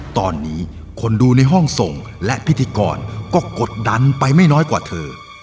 ตอนนี้คนดูในห้องส่งและพิธีกรก็กดดันไปไม่น้อยกว่าเธอ